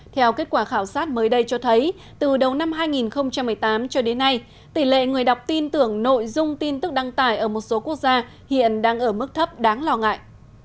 theo kết quả khảo sát mới đây cho thấy từ đầu năm hai nghìn một mươi tám cho đến nay tỷ lệ người đọc tin tưởng nội dung tin tức đăng tải ở một số quốc gia hiện đang ở mức thấp đáng lo ngại